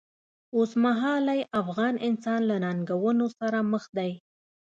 اوسمهالی افغان انسان له ننګونو سره مخ دی.